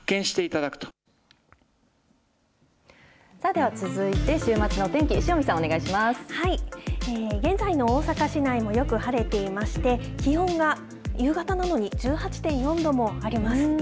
では続いて、週末のお天気、現在の大阪市内もよく晴れていまして、気温が夕方なのに１８．４度もあります。